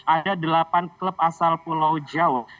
ada delapan klub asal pulau jawa